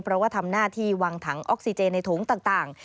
เพราะว่าทำหน้าที่วางถังออกซิเจนในโถงต่าง